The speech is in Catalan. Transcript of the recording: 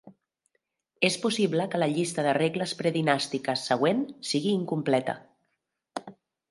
És possible que la llista de regles predinàstiques següent sigui incompleta.